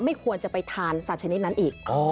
ไม่ควรจะไปทานสัตว์ชนิดนั้นอีก